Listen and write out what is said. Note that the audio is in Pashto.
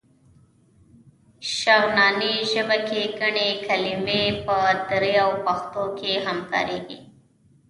شغناني ژبه کې ګڼې کلمې په دري او پښتو کې هم کارېږي.